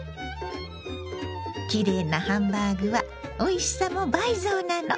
きれいなハンバーグはおいしさも倍増なの。